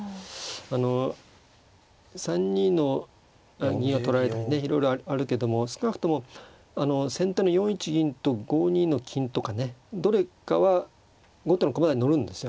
あの３二の金を取られたりねいろいろあるけども少なくとも先手の４一銀と５二の金とかねどれかは後手の駒台に載るんですよ。